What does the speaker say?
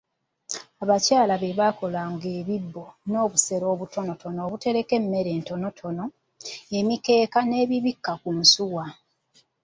Abakyala bebakolanga ebibbo n'obusero obutono obutereka emmere entonotono, emikeeka, n'ebibikka ku nsuwa